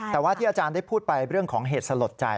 แต่ว่าที่อาจารย์ได้พูดไปเรื่องของเหตุสลดใจ